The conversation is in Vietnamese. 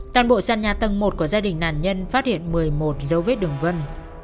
toàn bộ sàn nhà tầng một của gia đình nạn nhân phát hiện một mươi một dấu vết đường vân